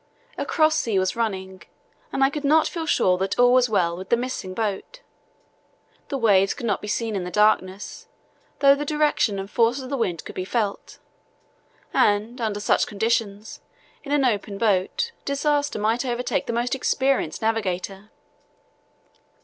A cross sea was running and I could not feel sure that all was well with the missing boat. The waves could not be seen in the darkness, though the direction and force of the wind could be felt, and under such conditions, in an open boat, disaster might overtake the most experienced navigator.